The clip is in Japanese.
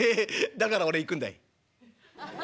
だから俺行くんだい」。